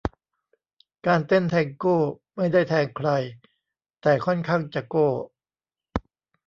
การเต้นแทงโก้ ไม่ได้แทงใคร แต่ค่อนข้างจะโก้